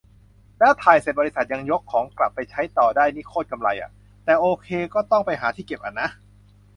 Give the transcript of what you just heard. แล้วถ่ายเสร็จบริษัทยังยกของกลับไปใช้ต่อได้นี่โคตรกำไรอะ แต่โอเค ก็ต้องไปหาที่เก็บอะนะ